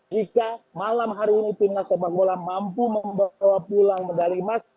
jika malam hari ini tim nasional mula mampu membawa pulang medali mas